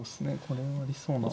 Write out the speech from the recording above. これもありそうな。